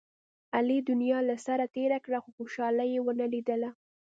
علي دنیا له سره تېره کړه، خو خوشحالي یې و نه لیدله.